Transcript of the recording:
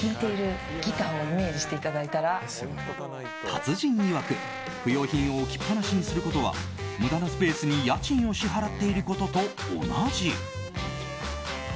達人いわく、不要品を置きっぱなしにすることは無駄なスペースに家賃を支払っていることと同じ。